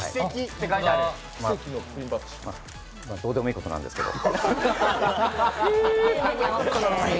まあ、どうでもいいことなんですけど。